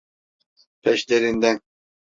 Peşlerinden!